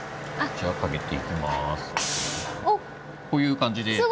こういう感じで。